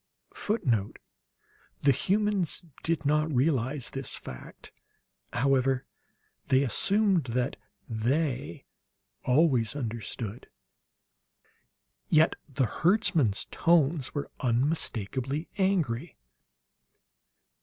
[Footnote: The humans did not realize this fact, however; they assumed that "They" always understood.] Yet the herdsman's tones were unmistakably angry.